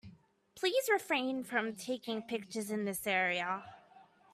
Please refrain from taking pictures in this area.